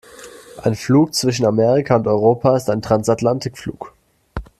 Ein Flug zwischen Amerika und Europa ist ein Transatlantikflug.